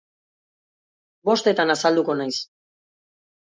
Bostetan azalduko naiz